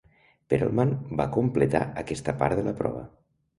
Perelman va completar aquesta part de la prova.